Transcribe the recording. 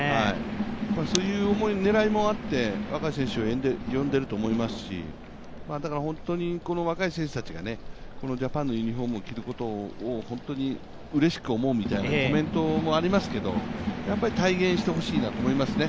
そういう思い、狙いもあって若い選手を呼んでいると思いますし本当に若い選手たちがジャパンのユニフォームを着ることをうれしく思うというコメントもありますけど、体現してほしいなと思いますね。